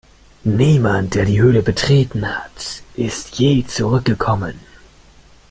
Niemand, der die Höhle betreten hat, ist je zurückgekommen.